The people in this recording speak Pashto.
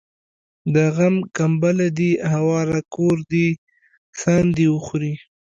د غم کمبله دي هواره کور دي ساندي وخوري